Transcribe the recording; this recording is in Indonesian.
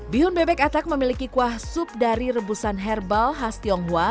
bihun bebek atak memiliki kuah sup dari rebusan herbal khas tionghoa